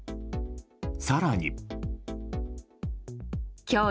更に。